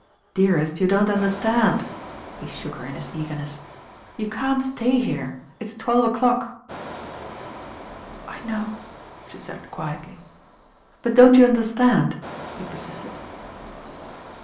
"Dearest, you don't understand." He shook her m his eagerness. "You can't stay here, it's twelve o'clock." "I know," she said quiedy. ||But don't you understand?" he persisted.